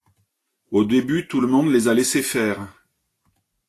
Au début, tout le monde les a laissé faire.